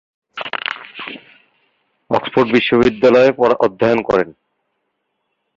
Oxford বিশ্ববিদ্যালয়ে অধ্যয়ন করেন।